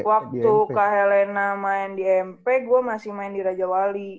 waktu kak helena main di mp gue masih main di raja wali